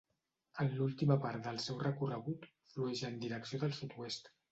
En l'última part del seu recorregut, flueix en direcció del sud-oest.